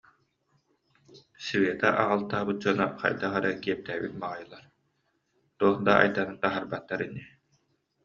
Света аҕалтаабыт дьоно хайдах эрэ киэптээбит баҕайылар, туох да айдааны таһаарбаттар ини